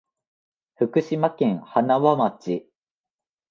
福島県塙町